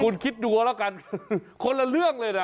คุณคิดดูเอาแล้วกันคนละเรื่องเลยนะ